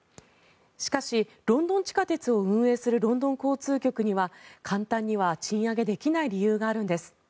しかし、ロンドン地下鉄を運営するロンドン交通局には簡単には賃上げできない理由があるんです。